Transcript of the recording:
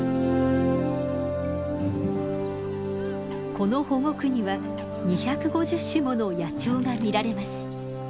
この保護区には２５０種もの野鳥が見られます。